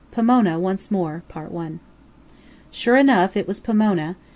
POMONA ONCE MORE. Sure enough, it was Pomona.